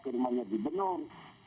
ke rumahnya gubernur